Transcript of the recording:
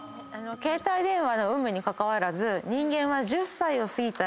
携帯電話の有無に関わらず。